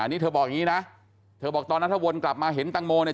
นี่เธอบอกอย่างนี้นะเธอบอกตอนนั้นถ้าวนกลับมาเห็นตังโมเนี่ย